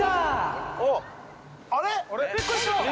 あれ？